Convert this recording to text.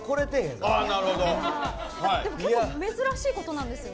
でも結構珍しいことなんですよね。